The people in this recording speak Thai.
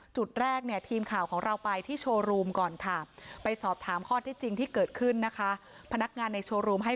จุดแรกเนี่ยทีมข่าวของเราไปที่โชว์รูมก่อนค่ะไปสอบถามข้อที่จริงที่เกิดขึ้นนะคะพนักงานในโชว์รูมให้